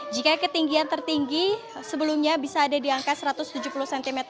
jika ketinggian tertinggi sebelumnya bisa ada di angka satu ratus tujuh puluh cm